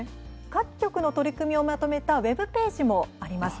各局の取り組みをまとめたウェブページもあります。